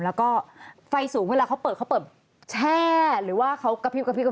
แล้วก็ไฟสูงเวลาเค้าเปิดเค้าเปิดแช่หรือปิดไฟขึ้ง